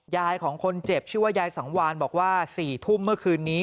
ยายของคนเจ็บชื่อว่ายายสังวานบอกว่า๔ทุ่มเมื่อคืนนี้